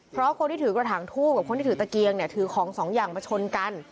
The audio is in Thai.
เพราะคนที่ถือกระถางทูบกับคนที่ถือตะเกียงเนี่ยถือของสองอย่างมาชนกัน